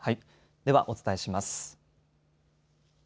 ではお伝えします。